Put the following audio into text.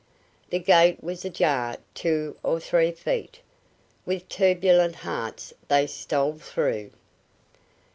The gate was ajar two or three feet. With turbulent hearts, they stole through.